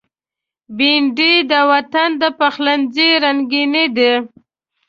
بېنډۍ د وطن د پخلنځي رنگیني ده